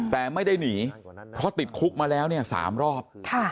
แต่ไม่ได้หนีเพราะติดคุกมาแล้วเนี่ย๓รอบ